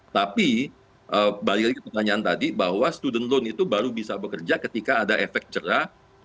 tapi balik lagi ke pertanyaan tadi bahwa student loan itu baru bisa bekerja ketika ada efek cerah